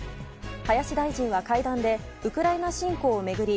林大臣は会談でウクライナ侵攻を巡り